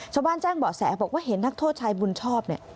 ชาวบ้านแจ้งเบาะแสบอกว่าเห็นนักโทษชายบุญชอบเนี่ย